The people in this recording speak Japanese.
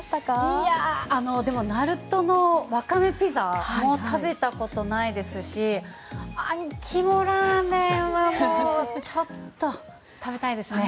いやでもなるとのワカメピザも食べたことないですしあん肝ラーメンはちょっと食べたいですね。